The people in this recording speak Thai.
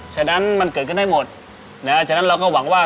จะอยู่นร่วงไป